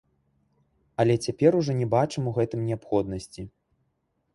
Але цяпер ужо не бачым ў гэтым неабходнасці.